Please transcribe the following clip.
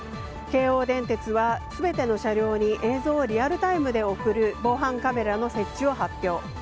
京王電鉄は全ての車両に映像をリアルタイムで送る防犯カメラの設置を発表。